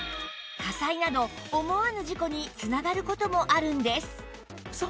火災など思わぬ事故に繋がる事もあるんです